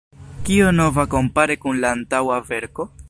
Kio nova kompare kun la antaŭa verko?